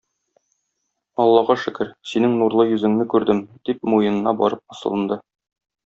Аллага шөкер, синең нурлы йөзеңне күрдем, - дип, муенына барып асылынды.